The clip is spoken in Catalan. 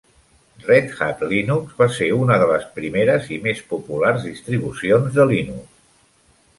Red Hat Linux va ser una de les primeres i més populars distribucions de Linux.